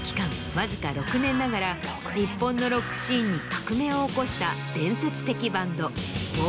わずか６年ながら日本のロックシーンに革命を起こした。